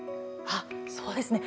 あっそうですね。